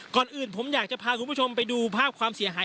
ก่อนอื่นผมอยากจะพาคุณผู้ชมไปดูภาพความเสียหาย